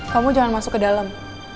kamu jangan masuk ke dalam